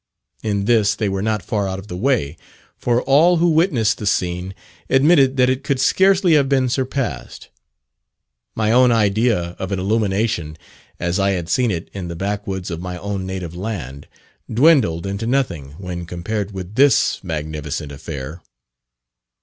In this they were not far out of the way; for all who witnessed the scene admitted that it could scarcely have been surpassed. My own idea of an illumination, as I had seen it in the backwoods of my own native land, dwindled into nothing when compared with this magnificent affair.